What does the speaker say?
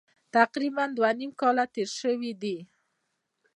تقریبا دوه نیم کاله تېر شوي دي.